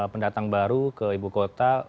pendatang baru ke ibu kota